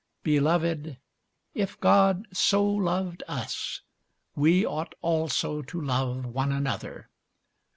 Beloved, if God so loved us, we ought also to love one another.